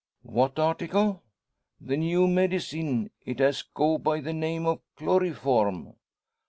"What article?" "The new medicine; it as go by the name o' chloryform."